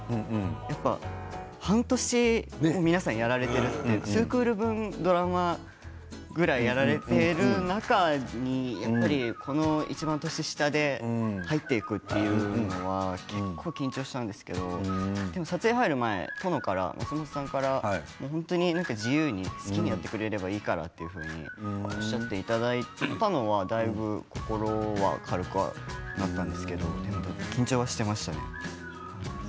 やっぱり半年皆さんやられていて２クール分、ドラマぐらいやられている中にいちばん年下で入っていくというのは結構、緊張したんですけど撮影に入る前に殿から、松本さんから本当に自由に、好きなようにやってくれればいいからとおっしゃっていただいたのはだいぶ心が軽くはなったんですけど緊張はしていました。